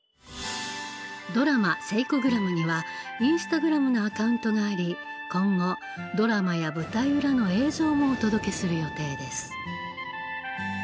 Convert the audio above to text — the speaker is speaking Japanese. ドラマ「セイコグラム」にはインスタグラムのアカウントがあり今後ドラマや舞台裏の映像もお届けする予定です。